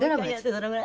どのぐらい？